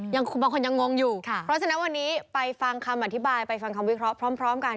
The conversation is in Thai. บางคนยังงงอยู่เพราะฉะนั้นวันนี้ไปฟังคำอธิบายไปฟังคำวิเคราะห์พร้อมกัน